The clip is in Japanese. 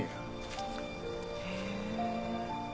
へえ。